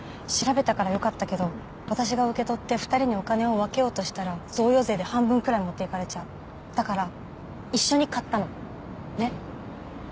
調べたからよかったけど私が受け取って２人にお金を分けようとしたら贈与税で半分くらい持っていかれちゃうだから一緒に買ったのねっ？